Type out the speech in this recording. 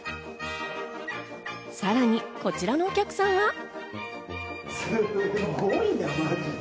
さらにこちらのお客さんは。